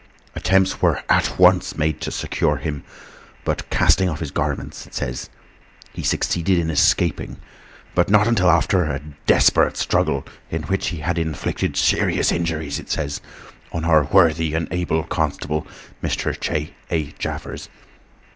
Attempts were At Once made to secure him, but casting off his garments, it says, he succeeded in escaping, but not until after a desperate struggle, in which he had inflicted serious injuries, it says, on our worthy and able constable, Mr. J. A. Jaffers.